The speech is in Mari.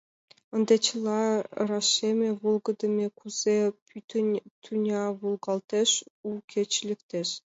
Ынде чыла рашеме, волгыдеме, кузе пӱтынь тӱня волгалтеш, у кече лектеш.